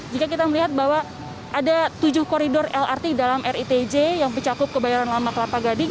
jika kita melihat bahwa ada tujuh koridor lrt dalam ritj yang bercakup kebayoran lama kelapa gading